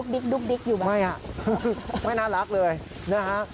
ดุ๊กดิ๊กอยู่ไหมครับไม่น่ารักเลยนะครับ